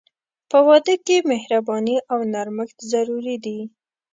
په واده کې مهرباني او نرمښت ضروري دي.